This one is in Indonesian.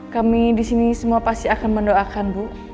kami disini semua pasti akan mendoakan bu